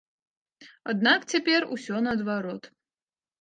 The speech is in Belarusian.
Аднак цяпер усё наадварот.